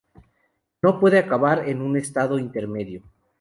No puede acabar en un estado intermedio.